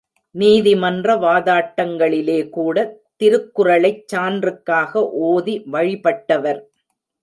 நீதிமன்ற வாதாட்டங்களிலே கூட திருக்குறளைச் சான்றுக்காக ஓதி வழிபட்டவர்!